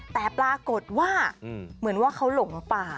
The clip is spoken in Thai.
แต่ปรากฏว่าเหมือนว่าเขาหลงป่า